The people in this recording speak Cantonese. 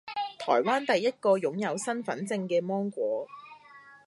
台灣第一個擁有身分證嘅芒果